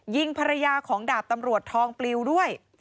ยิงภรรยาของดาบตำรวจทองปลิวด้วย